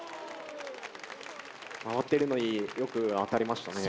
回ってるのによく当たりましたね。